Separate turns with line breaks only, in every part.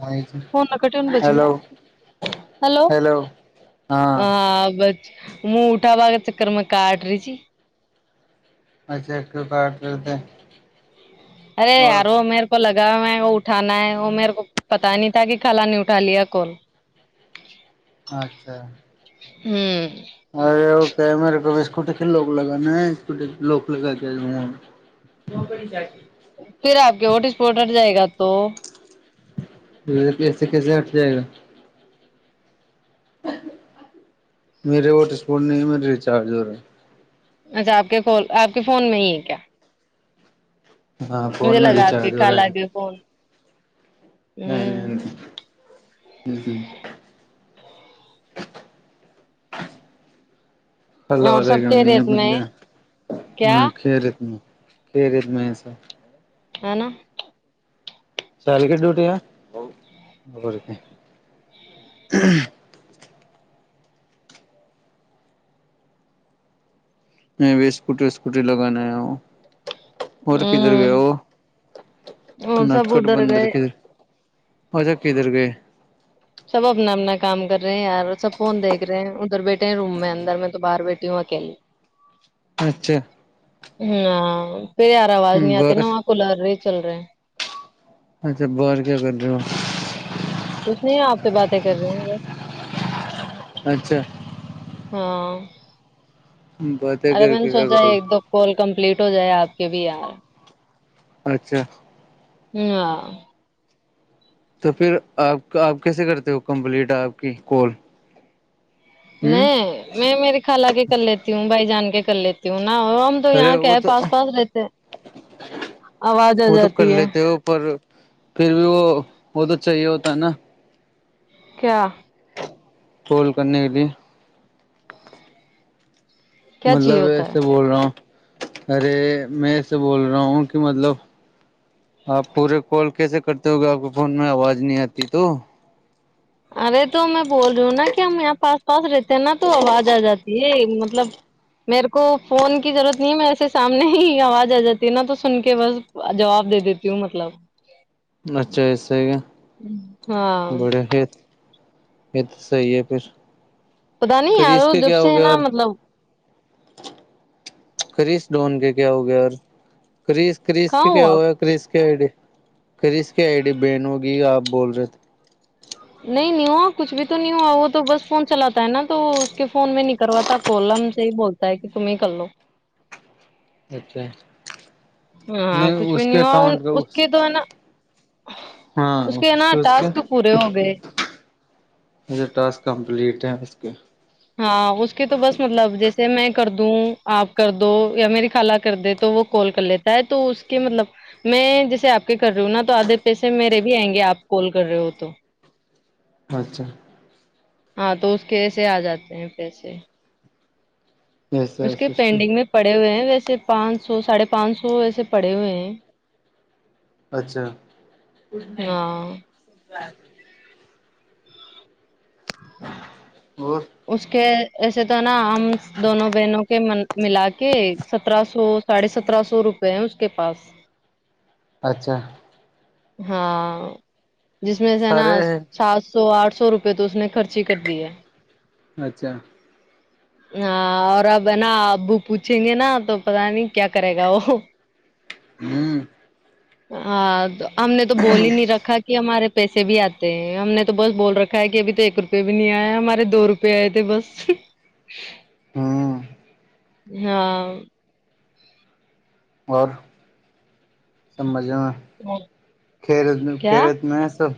[inaudible] hello hello
ہاں بچ م اٹھا بغگر چکر میں کاٹریچ
اچھا ایک کاٹتے
ارے یارو امیر کو لگا میں وہ اٹھانا ہے وہ میرے کو پتا نہیں تھا کہ کھال نہیں اٹھا لیا کون
اچھا
ہوں
ارے وہ کیا ہے میرے کوبھی اسکوٹی کے لوک لگانا ہے اسکوٹی لوک لگا نکری
پھر آپ کے ہوٹ اسپٹٹ ہٹ جائے گا تو
مے ایسے کیسے ہٹ جائے گا میرے ہاٹ سپاٹ نہیں میر ریچارج
اچھا آپ کے کول آپ کے فون میں ہی ہے کیا
ہے ہاں فون
مجھے
میں
لگا آپ کے
ریچارج ہو
خالہ
رہا ہے
کے فون
نہیں نہیں
ہوں
نہیں
اور سب خیریت میں کیا
خیریت خیریت میں سب
ہے نا
شالک ڈٹ میں بھی اسکوٹی و اسکوٹی لگانے آ ہوں اور کدھر گئے
ہوں
وہ
اور سب
نٹکٹ
ادھر
بندر
گئے
کدھر ہوز کدھر گئے
سب اپنا اپنا کام کر رہے ہیں یار سب فون دیکھ رہے ہیں ادھر بیھے ہیں روم میں اندر میں تو باہر بیٹھی ہوں اکیلے
اچھا
ہاں پھر یار آواز نہیں آتی نا
باہر
وہاں کولر رہے چل رہے ہیں
اچھا باہر کیا کر رہی ہو
کچھ نہیں ہے آپ سے باتیں کر رہی ہوں بس
اچھا
ہاں
باتیں
ارے
کر
میں نے
کے کیا
سوچا ہے
کرو
ایک دو کال کمپلیٹ ہو جائے آپ کے بھی یار
اچھا
ہ [unintelligible] [inaudible]
تو پھر آپ آپ کیسے کرتے ہو کمپلیٹ آپ کی کال ہوں
میں میں میری خال کے کر لیتی ہوں بھائی جان کے کر لیتی ہوں نا وہ ہم تو
ارے
یہاں
وہ
کیا
تو
پاس پاس رہتے ہیں آواز آ
وہ تو کر
جاتی ہے
لیتے ہو پر پھر بھی وہ وہ تو چاہیے ہوتا ہے نا
کیا
پول کرنے کے لیے
کیا چاہیے
مطلب
ہوتا
ایسے
ہے
بول رہا ہوں ارے میں ایسے بول رہا ہوں کہ مطلب آپ پورے کال کیسے کرتے ہو گے آپ کو فون میں آواز نہیں آتی تو
ارے تو میں بول رہی ہوں نا کہ ہم یہاں پاس پاس رہتے ہیں نا تو آواز آ جاتی ہے مطلب میرے کو فون کی ضرورت نہیں ہے مے سامنے ہی آواز آ جاتی ہے نا تو سن کے بس جواب دے دیتی ہوں مطلب
اچھا ایسے ہی کیا
ہاں
بڑے ہی تو صی ہے پھر
پتا نہیں ارو
کریس کے
جب
کیا
سے
ہو
ہے
گیا
نا
اور
مطلب
کرس ڈون کے کیا ہو گیا اور کرس کرس کے کیا ہوا کرس کیا آئیڈ کریش کی آئی ڈی بین ہوگی آپ بول رہے تھے
نہیں نہیں ہوا کچھ بھی تو نہیں ہوا وہ تو بس فون چلاتا ہے نا تو اس کے فون میں نہیں کرواتا کولم سے ہی بولتا ہے کہ تم کرلو
اچھا
ہاں
نہیں
کچھ بھی
اس کے
ہوا ان-
اکاؤنٹ کا
اس کے تو ہے نا اس
ہاں
کے ہے نا
کیا
ٹاسک پورے ہو گئے
مجھے ٹاسک کمپلیٹ ہے اس کے
ہاں اس کے تو بس مطلب جیسے میں کر دوں آپ کر دو یا میری خالہ کر دے تو وہ کال کر لیتا ہے تو اس کے مطلب میں جیسے آپ کے کر رہی ہوں نا تو آدھے پیسے میرے بھی آئیں گے آپ کال کر رہے ہو تو
اچھا
ہاں تو اس کے ایسے آ جاتے ہیں پیسے
ایسا
اس
ہے
کے
سسٹم
پینڈنگ میں پڑے ہوئے ہیں ویسے پانچ سو ساڑھے پانچ سو ویسے پڑے ہوئے ہیں
اچھا
ہاں
اور
اس کے ایسے تو نا ہم دونوں بہنوں کے م ملا کے سترہ سو ساڑھے سترہ سو روپے ہیں اس کے پاس
اچھا
ہاں جس میں سے نا
سارے ہے
سات سو آٹھ سو روپئے تو اس نے خرچ ہی کر دی ہے
اچھا
ہاں اور اب ہے نا ابو پوچھیں گے نا تو پتا نہیں کیا کرے گا وہ
ہوں
ہاں ہم نے تو بول ہی نہیں رکھا کہ ہمارے پیسے بھی آتے ہیں ہم نے تو بس بول رکھا ہے کہ ابھی تو ایک روپئے بھی نہیں آئے ہمارے دو روپئے آئے تھے بس
ہاں
ہاں
اور سب مجے میں کھیرت میں
کیا
خیریت میں ہے سب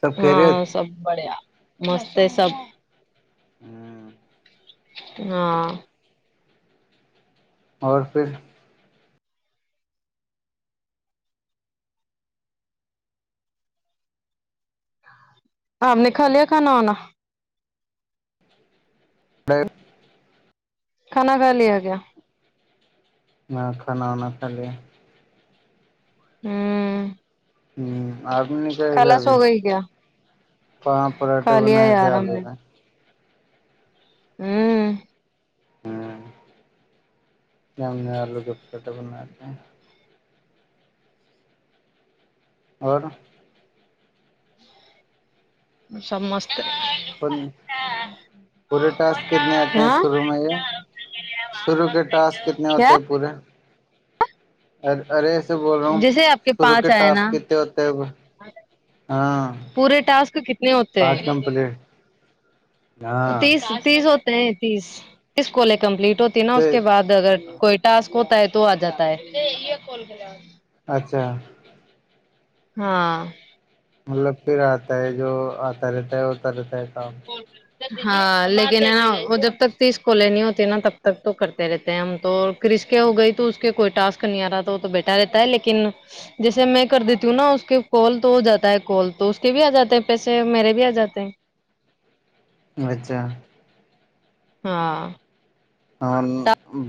سب
ہاں
خیریت
سب بڑھیا مست ہے سب
ہوں
ہاں
اور پھر
آپ نے کھا لیا کھانا آنا
[unintelligible]
کھانا کھا لیا کیا
ہاں کھانا وانا کہا لیا
ہوں
ہ اپنے نہی کھائے کیا
خلاص
ابھی
ہو گئی کیا
پا پراٹھے
کھا لیا
بنائے تھے
یار ہم
آلو
نے
پ
ہوں
ہاں میںنے الو کے پراٹھے بنائے تھے اور
سب مست ہے
پورے ٹاسک کتنے آتے ہیں
ہاں
شروع میں یہ شروع کے ٹاسک کتنے ہوتے
کیا
ہیں پورے ارے ارے ایسے بول رہا ہوں
جیسے آپ
شرو کے
پانچ آئے
ٹاسک
نا
کتنے ہوتے ہاں
پورے ٹاسک کتنے ہوتے ہیں
پانچ کمپلیٹ ہاں
تیس تیس ہوتے ہیں تیس تیس کوال کمپلیٹ ہوتی ہے نا
تو
اس کے بعد اگر کوئی ٹسک ہوتا ہے تو آ جاتا ہے [unintelligible]
اچھا
ہاں
مطلب پھر آتا ہے جو آتا رہتا ہے ہوتا رہتا ہے کام
ہاں لیکن ہے نا وہ جب تک تیس کل نہی ہوتی نا تب تک تو کرتے رہتے ہیں ہم تو کرس کے ہو گئی تو اس کے کوئی ٹسک نہیں آ رہا تھا وہ تو بیٹا رہتا ہے لیکن جیسے میں کر دیتی ہوں نا اس کے کال تو ہو جاتا ہے کال تو اس کے بھی آ جاتے ہیں پیسے میرے بھی آ جاتے ہیں
اچھا
ہاں
ت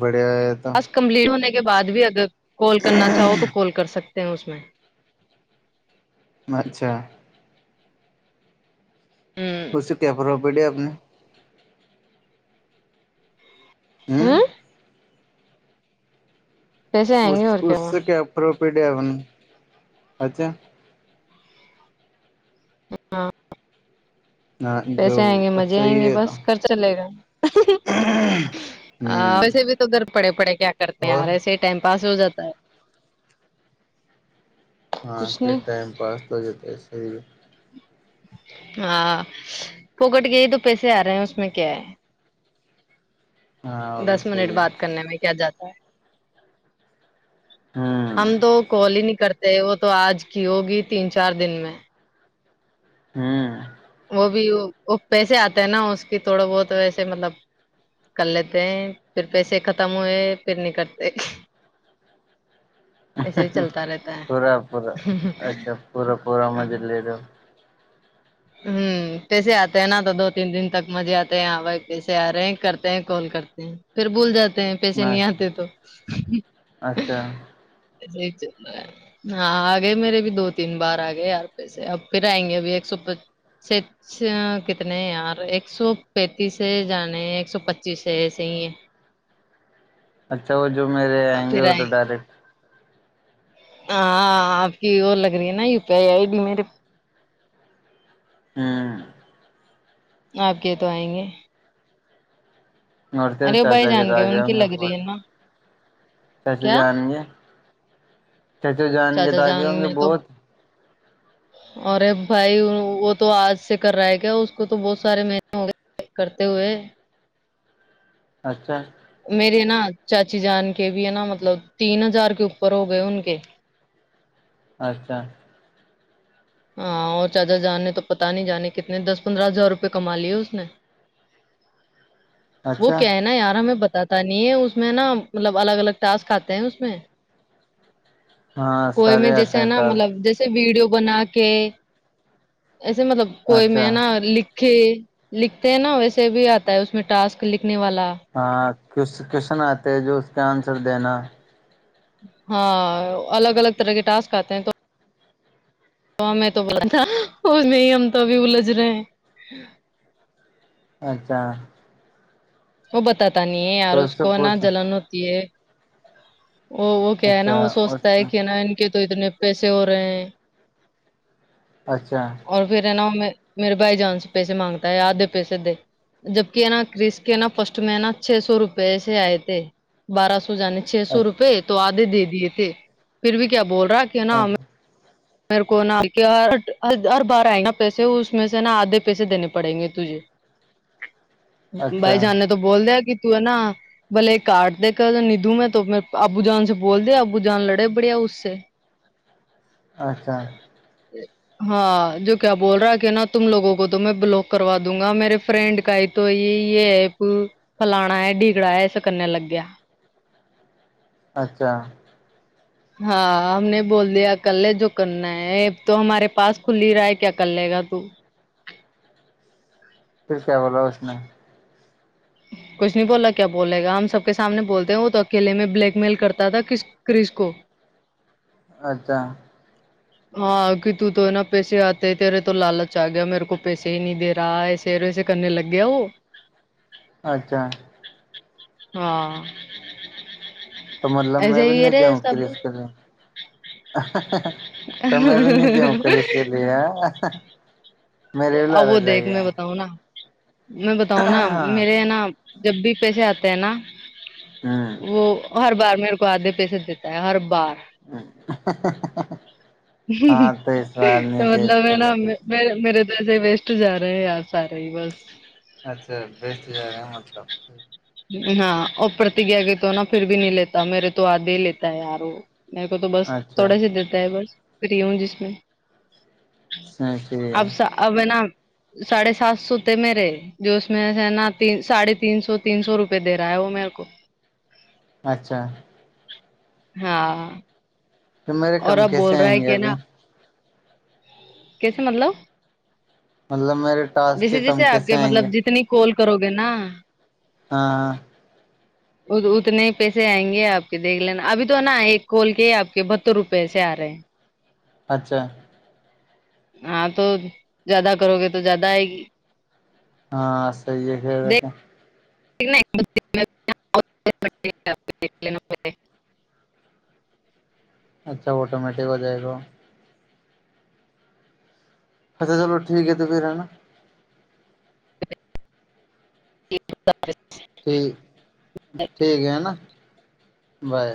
بڑیا
بس کمپلیٹ ہونے کے بعد بھی اگر کال کرنا چاہو تو کال کر سکتے ہیں اس میں
اچھا
ہوں
اس سے کیا پراپرٹی ہے آپ نے ہوں
پیسے آئیں
اس
گے اور
اس
ہوا
سے کیا پروفٹ ہے اچھا
ہاں
ہاں جو
پیسے آئیں گے مزے
اچھا
آئیں گے
یہ تھا
بس خر چلے گا
ہوں
ویسے بھی تو ادھر پڑے پڑے کیا کرتے ہیں
اور
ار ایسی ٹائم پاس ہو جات ہے
ہاں
کچھ
کے
نہیں
ٹائم پاس ہو جتے اس
ہاں پکٹ گ ہی تو پیسے آ رہے ہیں اس میں کیا ہے
ہاں بھی
دس منٹ
صحیح
بات کرنے میں کیا جاتا ہے ہم
ہوں
تو کال ہی نہیں کرتے وہ تو آج کی ہوگی تین چار دن میں
ہوں
وہ بھی پیسے آتے ہیں نا اس کی تھوڑا بہت ویسے مطلب کر لیتے ہیں پھر پیسے ختم ہوئے پھر نہیں کرتے
اچ
ایسے ہی چلتا رہتا ہے
پورا پورا اچھا پورا پورا مزے لے دوو
ہوں کیسے آتے ہیں نا تو دو تین دن تک مزے آتے ہیں یہاں بائی کیسے آ رہے ہیں کرتے ہیں کال کرتے ہیں پھر بول جاتے ہیں پیسے
نہ
نہیں آتے تو
اچھا
جی ہاں آ گئے میرے بھی دو تین بار آ گئے یار پیس سے اب پھر آئیں گے ابھی ایک سو س کتنے یار ایک سو پینتیس سے جانے ہیں ایک سو پچیس سے ایسے ہی ہے
اچھا وہ جو میرے
ہے
آئیں گے
پھر
وہ تو
آئے
ڈائریکٹ
ہاں آپ کی اور لگ رہی ہے نا U P I I D میرے
ہوں
آپ یہ تو آئیں گے
اور پھر
ارے بھائی
چاچا کے ج
جان
آ گئے
ان کی
ہوں گے
لگ
بہت
رہی ہے نا
کیسے
کیا
جائیں گے چچے جان گے
چاچا
تو آگے
جان
ہوں گے بہت
اور بھائی وہ تو آج سے کر رہا ہے کیا اس کو تو بہت سارے مہینے ہو گئے یک کرتے ہوئے
اچھا
میرے نا چاچی جان کے بھی ہے نا مطلب تین ہزار کے اوپر ہو گئے ان کے
اچھا
ہاں اور چاچا جان نے تو پتا نہیں جانے کتنے دس پندرہ ہزار روپئے کما لیے اس نے
ج
وہ کیا ہے نا یار ہمیں ب پتا نہیں ہے اس میں نا مطلب الگ الگ ٹسک آتے ہیں اس میں
ہاں
کوئی میں
سارے آتے
جیسے ہے
ہیں
نا
ٹاس
مطلب جیسے ویڈیو بنا کے ایسے مطلب کوئی
اچھا
میں نا لکھ لکھتے ہیں نا ویسے بھی آتا ہے اس میں ٹاسک لکھنے والا
ہاں کوشن آتے ہے جو اس کے آنسر دینا
ہاں الگ الگ طرح کے ٹسک آتے ہیں تو تو ہم میں تو بلا تھا وہ نہیں ہم تو ابھی الجھ رہے ہیں
اچھا
وہ بتاتا نہیں ہے یار
تو
اس
سے
کو نہ
پوچھ
جلن ہوتی ہے وہ وہ کیا ہے نا
اچھا
وہ سوچتا ہے
اچھا
کہ نا ان کے تو اتنے پیسے ہو رہے ہیں
اچھا
اور پھر ہے نا میں میرے بھائی جان سے پیسے مانگتا ہے یاد دے پیسے دے جبک ہے نا کرس کے نا فرسٹ میں ہے نا چھ سو روپے سے آئے تھے بارہ سو جانے چھ سو روپئے تو آدھے دے دیے تھے پھر بھی کیا بول رہا کہ نا ہمیں میرے کو نا ہر بارہ آئیں گا نا پیسے اس میں سے نا آدھے پیسے دینے پڑیں گے تجھے
اچھا
بھائی جاننے تو بول کہ ہے نا بلے کاٹ د کر ندوں میں تو ابو جان سے بول دے آبو جان لڑے بڑیا اس سے
اچھا
جی ہاں جو کیا بول رہا ہے کہ نا تم لوگوں کو تو میں بلاک کروا دوں گا میرے فرینڈ کا تو یہ یہ ہے پ فلانا ہے ڈگڑا ہے اس کرنے لگ گیا
اچھا
ہاں ہم نے بول دیا کر لے جو کرنا ہے اب تو ہمارے پاس کھ ہی رہا ہے کیا کر لے گا تو
پھر کیا بولاو اس نہیں
کچھ نہیں بولا کیا بولے گا ہم سب کے سامنے بولتے ہیں وہ تو اکیے میں بلیک میل کرتا تھا کس کرش کو
اچھا
ہاں کی تو تو ہے نا پیسے آتے تیرے تو لالچ آ گیا میرے کو پیسے ہی نہیں دے رہا ایس سیر اس سےےنے لگےؤ
اچھا
ہاں
تو مطلب میں
ایسے
بھی
ہی
نہیں
رے
دوں پری
سب
اس کے لیے تو میں بھی نہیں د ہ کرس کے لیے میرے بھی
اب
لارا
وہ
جائے
دیکھ میں
گیا
بتاؤں نا میں بتاؤں نا میرے نا جب بھی پیسے آتے ہیں نا
ہوں
وہ ہر بار میرے کو آدھے پیسے دیتا ہے ہر بار
[unintelligible] ہاں تو اس بار
تو
نہیں دے اس
مطلب ہے
کو
نا
لے
م
کے
میرے در ایسے ویسٹ جا رہے ہیں آپ سارے ہی بس
اچھا بیچ جائے گا مطلب
ہاں اور پرتیجیا کی تو نا پھر بھی نہیں لیتا میرے تو آد ہی لیتا ہے یار وہ میرے کو تو بس
اچھا
تھوڑا سے دیتا ہے بس فری ہوں جس میں
ہاں صحیح ہے
اب اب ہے نا ساڑھے سات سو تھے میرے جو اس میں سے نا ت ساڑھے تین سو تین سو روپئے رہا ہے وہ میرے کو
اچھا
ہاں
تو میرے
اور
کم
اب
کیسے
بول رہا
آئیں
ہے
گے
کہ
ابھی
نا کیسے مطلب
مطلب میرے ٹاسک کے
جیسے
کم
جیسے آپ
کیسے
کے
آئیں گے
مطلب جتنی کال کرو گے نا
ہاں ہاں
اتنے پیسے آئیں گے آپ کے دیکھ لینا ابھی تو نا ایک کول کے آپ کے ب س روپئے سے آ رہے ہیں
اچھا
ہاں تو زیادہ کرو گے تو زیادہ آئے گی
ہاں صحیح ہے ویسے
[unintelligible]
اچھا آٹومیٹک ہو جائے گا اچھا چلو ٹھیک ہے تو پھر ہے نا
[unintelligible]
ٹھیک ٹھیک ہے ہے نا بائے